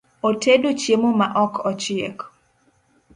Otedo chiemo ma ok ochiek